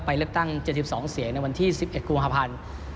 เลือกตั้ง๗๒เสียงในวันที่๑๑กุมภาพันธ์